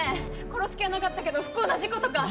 殺す気はなかったけど不幸な事故とか！